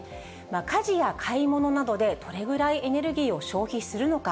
家事や買い物などでどれぐらいエネルギーを消費するのか。